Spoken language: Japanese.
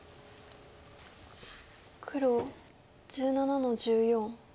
黒１７の十四。